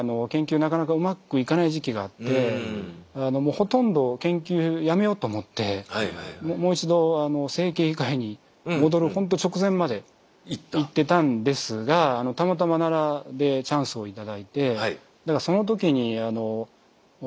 なかなかうまくいかない時期があってもうほとんど研究やめようと思ってもう一度整形外科医に戻るほんと直前までいってたんですがたまたま奈良でチャンスを頂いて。